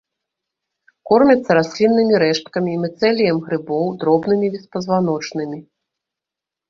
Кормяцца расліннымі рэшткамі, міцэліем грыбоў, дробнымі беспазваночнымі.